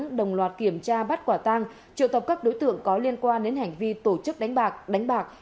đồng loạt kiểm tra bắt quả tang triệu tập các đối tượng có liên quan đến hành vi tổ chức đánh bạc đánh bạc